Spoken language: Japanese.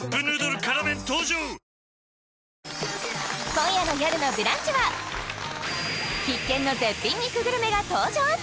今夜の「よるのブランチ」は必見の絶品肉グルメが登場